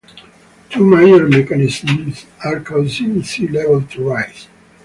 Two major mechanisms are causing sea level to rise.